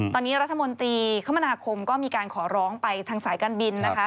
ตอนนี้รัฐมนตรีคมนาคมก็มีการขอร้องไปทางสายการบินนะคะ